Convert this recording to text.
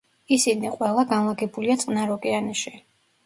ისინი ყველა განლაგებულია წყნარ ოკეანეში.